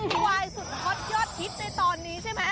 ควายสุดฮอตยอดฮิตในตอนนี้ใช่ไหม